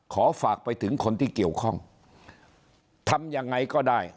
ขอฝากไปถึงคนที่เกี่ยวข้องทำยังไงก็ได้